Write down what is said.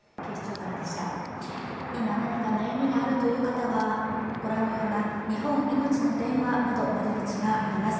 今、何か悩みがあるという方はご覧のような日本いのちの電話など窓口があります。